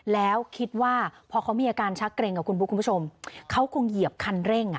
แล้วคิดว่าพอเขามีอาการชักเกร็งอ่ะคุณบุ๊คคุณผู้ชมเขาคงเหยียบคันเร่งอ่ะ